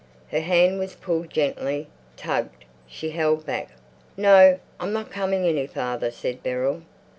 Her hand was pulled gently, tugged. She held back. "No, I'm not coming any farther," said Beryl.